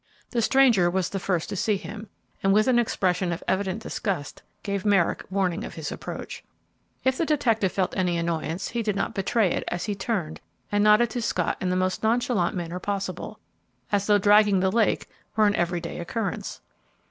The stranger was the first to see him, and with an expression of evident disgust gave Merrick warning of his approach. If the detective felt any annoyance he did not betray it as he turned and nodded to Scott in the most nonchalant manner possible, as though dragging the lake were an every day occurrence.